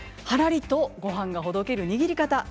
はらりとごはんがほどける握り方。